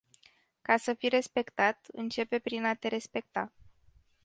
Ca să fii respectat, începe prin a te respecta.